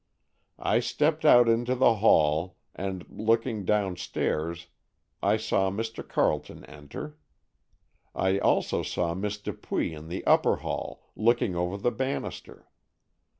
I stepped out into the hall, and, looking downstairs, I saw Mr. Carleton enter. I also saw Miss Dupuy in the upper hall looking over the banister.